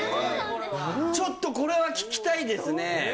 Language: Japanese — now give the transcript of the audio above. ちょっとこれは聞きたいですね